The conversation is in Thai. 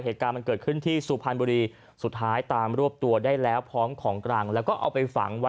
เหตุการณ์มันเกิดขึ้นที่สุพรรณบุรีสุดท้ายตามรวบตัวได้แล้วพร้อมของกลางแล้วก็เอาไปฝังไว้